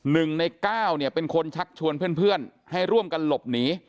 ๑ใน๙เป็นคนชักชวนเพื่อนให้ร่วมกันหลบหนี